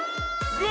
うわ！